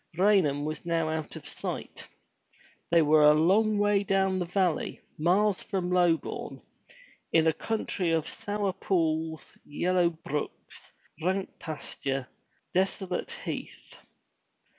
Raynham was now out of sight. They were a long way down the valley, miles from Lobourne, in a country of sour pools, yellow brooks, rank pasturage, desolate heath.